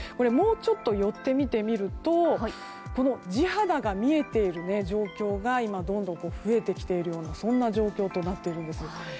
もうちょっと寄って見てみるとこの地肌が見えている状況がどんどん、増えてきている状況となっているんです。